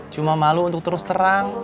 cuma malu untuk terus terang